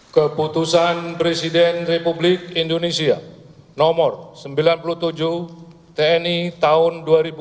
keputusan presiden republik indonesia nomor sembilan puluh tujuh tni tahun dua ribu dua puluh